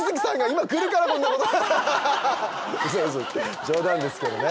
嘘嘘冗談ですけどね。